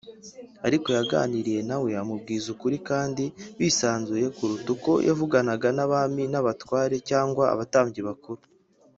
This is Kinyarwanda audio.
. Ariko yaganiriye na we amubwiza ukuri kandi bisanzuye kuruta uko yavuganaga n’Abami, n’Abatware, cyangwa Abatambyi bakuru